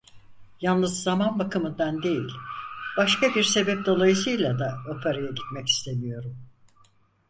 Yalnız zaman bakımından değil, başka bir sebep dolayısıyla da operaya gitmek istemiyorum.